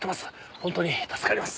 本当に助かります。